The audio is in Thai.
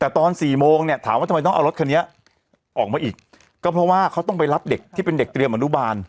แต่ตอน๔โมงเนี่ยถามว่าทำไมต้องเอารถคันนี้ออกมาอีกก็เพราะว่าเขาต้องไปรับเด็กที่เป็นเด็กเตรียมอนุบาล